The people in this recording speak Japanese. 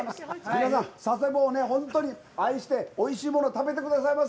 皆さん、佐世保を愛しておいしいものを食べてください。